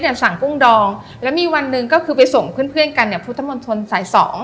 ก็จะสั่งกุ้งดองและมีวันหนึ่งก็คือไปส่งเพื่อนกันผู้ท่านบนทนสาย๒